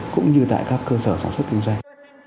cũng như tại các cơ sở sản xuất kinh doanh